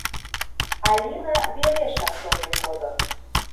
Алина верешак шоген кодо.